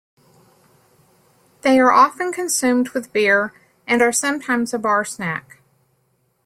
They are often consumed with beer and are sometimes a bar snack.